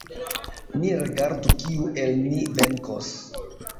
Ni rigardu, kiu el ni venkos!